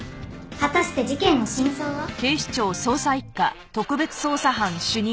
「果たして事件の真相は？」